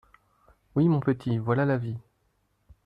Oui, mon petit, voilà la vie.